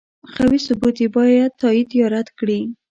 قوي ثبوت یې باید تایید یا رد کړي.